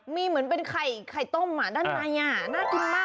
มีเหมือนเป็นไข่ต้มด้านในน่ากินมาก